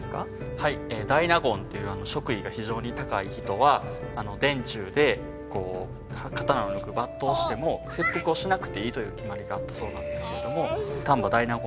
はい大納言という職位が非常に高い人は殿中で刀を抜く抜刀しても切腹をしなくていいという決まりがあったそうなんですけれども丹波大納言